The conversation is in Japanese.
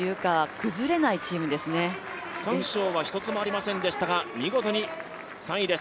区間賞は１つもありませんでしたが、見事に３位です。